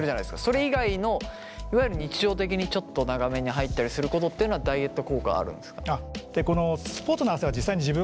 それ以外のいわゆる日常的にちょっと長めに入ったりすることっていうのはダイエット効果あるんですか？